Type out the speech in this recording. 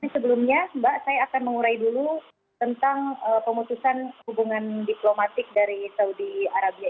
sebelumnya mbak saya akan mengurai dulu tentang pemutusan hubungan diplomatik dari saudi arabia